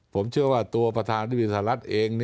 ผมเชื่อว่าตัวประธานาฬิบิตรศาลัทธิ์เอง